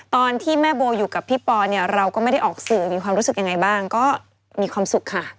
ตอนที่แม่โบอยู่กับพี่ปอเนี่ยเราก็ไม่ได้ออกสื่อมีความรู้สึกยังไงบ้างก็มีความสุขค่ะ